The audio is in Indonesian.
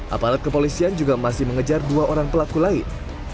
aparat kepolisian juga masih mengejar dua orang pelaku lain